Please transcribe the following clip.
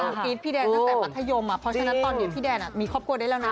คือกรี๊ดพี่แดนตั้งแต่มัธยมเพราะฉะนั้นตอนนี้พี่แดนมีครอบครัวได้แล้วนะ